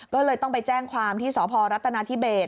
ก็เลยต้องไปแจ้งความที่สพรัฐนาธิเบส